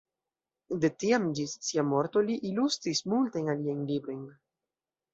De tiam ĝis sia morto li ilustris multajn aliajn librojn.